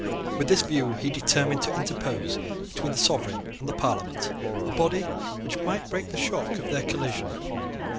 With this view he determined to interpose between the sovereign and the Parliament a body which might break the shock of their collision.